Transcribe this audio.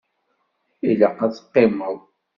Ilaq ad teqqimeḍ.